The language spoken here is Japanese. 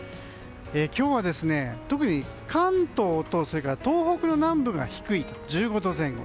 今日は特に関東と東北の南部が低い１５度前後。